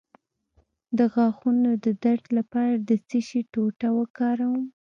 د غاښونو د درد لپاره د څه شي ټوټه وکاروم؟